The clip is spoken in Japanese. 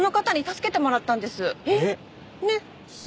ねっ。